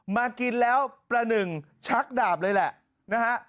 มากินแล้วประหนึ่งชักดาบเลยแหละนะฮะ